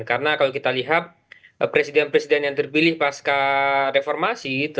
karena kalau kita lihat presiden presiden yang terpilih pasca reformasi